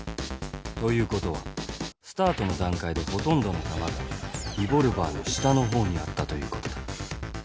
ということはスタートの段階でほとんどの弾がレボルバーの下の方にあったということだ。